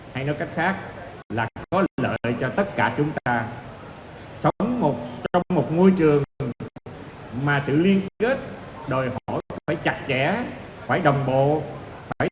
hay nói cách khác là có lợi cho tất cả chúng ta sống trong một môi trường mà